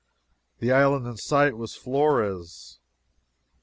The island in sight was Flores.